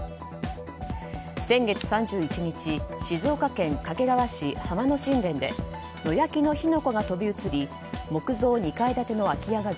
先月３１日静岡県掛川市浜野新田で野焼きの火の粉が飛び移り木造２階建てが